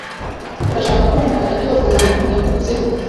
Urashaka kumva icyo uwo muntu yakuvuzeho.